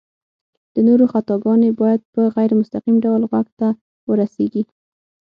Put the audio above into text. د نورو خطاګانې بايد په غير مستقيم ډول غوږ ته ورورسيږي